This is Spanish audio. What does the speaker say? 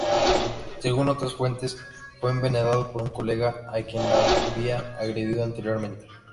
Según otras fuentes, fue envenenado por un colega a quien había agredido anteriormente.